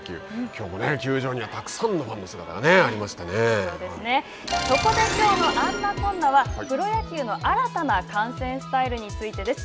きょうも球場にはたくさんのファンの姿がそこできょうの「あんなこんな」はプロ野球の新たな観戦スタイルについてです。